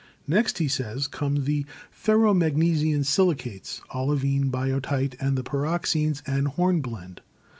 "Next," he says, "'come the ferro magnesian silicates, olivine, biotite, the pyroxenes and hornblende.